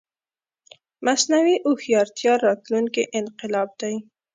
مصنوعي هوښيارتيا راتلونکې انقلاب دی